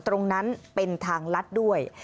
ตรงนั้นเป็นทางลัดด้วย